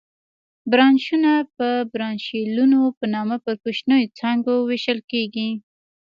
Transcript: برانشونه په برانشیولونو په نامه پر کوچنیو څانګو وېشل کېږي.